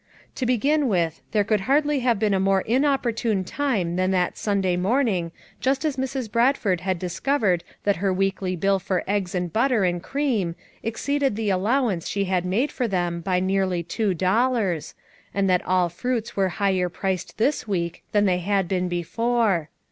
To begin with, there could hardly have been a more inopportune time than that Saturday morning just as Mrs. Bradford had discovered that her weekly bill for eggs and butter and cream, exceeded the allowance she had made for them by nearly two dollars, and that all fruits were higher priced this week than they had been before.